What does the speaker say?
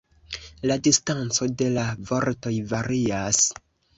La distanco de la vortoj varias.